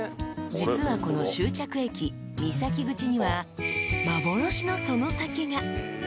［実はこの終着駅三崎口には幻のその先が］